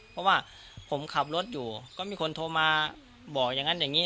เพราะว่าผมขับรถอยู่ก็มีคนโทรมาบอกอย่างนั้นอย่างนี้